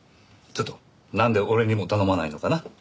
ちょっとなんで俺にも頼まないのかな？